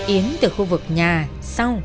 yến từ khu vực nhà sau